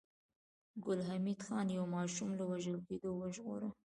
ګل حمید خان يو ماشوم له وژل کېدو وژغوره